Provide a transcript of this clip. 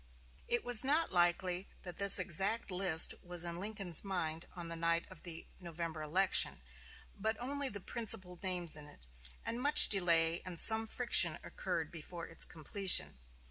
It is not likely that this exact list was in Lincoln's mind on the night of the November election, but only the principal names in it; and much delay and some friction occurred before its completion.